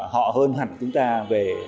họ hơn hẳn chúng ta về